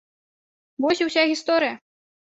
Вось і ўся гісторыя!